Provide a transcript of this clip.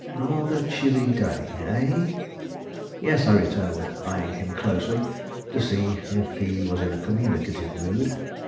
"Rather chilly day, eh?" "Yes," I returned, eyeing him closely to see if he was in a communicative mood.